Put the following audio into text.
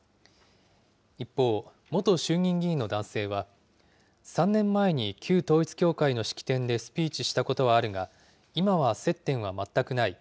一方、元衆議院議員の男性は、３年前に旧統一教会の式典でスピーチしたことはあるが、今は接点は全くない。